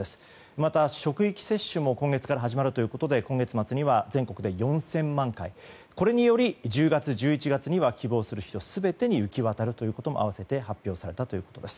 また、職域接種も今月から始まるということで今月末には全国で４０００万回これにより１０月、１１月には希望する人全てに行き渡るということも併せて発表されたということです。